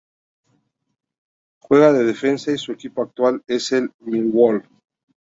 Juega de defensa y su equipo actual es el Millwall.